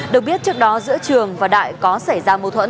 được biết trước đó giữa trường và đại có xảy ra mâu thuẫn